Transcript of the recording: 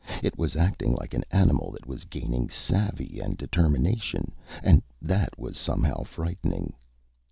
It was acting like an animal that was gaining savvy and determination, and that was somehow frightening.